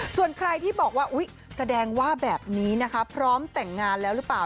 ส่วนใครที่บอกว่าอุ๊ยแสดงว่าแบบนี้นะคะพร้อมแต่งงานแล้วหรือเปล่า